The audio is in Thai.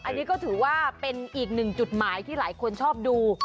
อันนี้ก็ถือว่าเป็นอีกหนึ่งจุดหมายที่หลายคนชอบดู